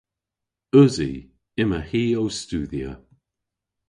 Usi. Yma hi ow studhya.